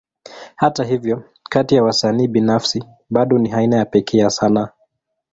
Hata hivyo, kati ya wasanii binafsi, bado ni aina ya pekee ya sanaa.